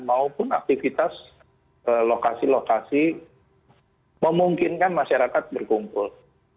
maupun aktivitas lokasi lokasi memungkinkan masyarakat berkumpul